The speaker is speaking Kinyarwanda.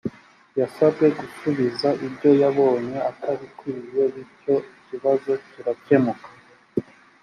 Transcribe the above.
yasabwe gusubiza ibyo yabonye atabikwiye bityo ikibazo kirakemuka